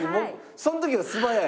その時は素早い？